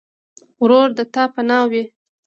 ورور د تا پناه وي.